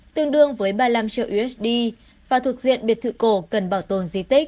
tương đương với ba mươi năm triệu usd và thuộc diện biệt thự cổ cần bảo tồn di tích